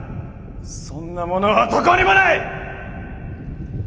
そんなものはどこにもない！